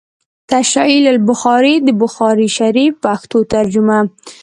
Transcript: “ تشعيل البخاري” َد بخاري شريف پښتو ترجمه